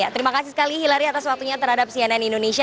terima kasih sekali hilary atas waktunya terhadap cnn indonesia